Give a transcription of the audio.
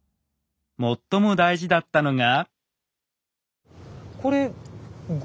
最も大事だったのが。